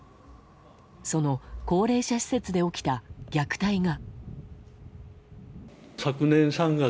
その高齢者施設で起きた虐待が。